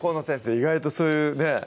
意外とそういうね